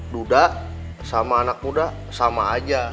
duda sama anak muda sama aja